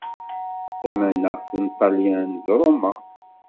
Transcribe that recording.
Tamaneɣt n Ṭṭalyan d Roma.